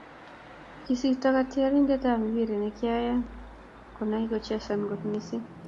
kisirto katrandiet ab mpiret ne kian konai kochesan kot mising